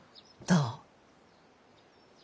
どう？